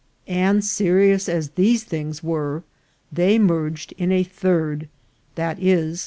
And, serious as these things were, they merged in a third ; viz.